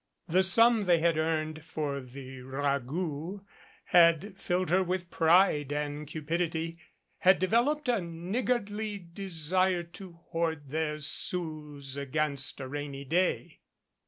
The sum they had earned for the ragout had filled her with pride and cu pidity, had developed a niggardly desire to hoard their sous against a rainy day.